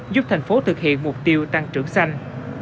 giúp thành phố thực hiện mục tiêu tăng trưởng xanh